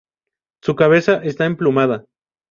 Su cabeza está emplumada.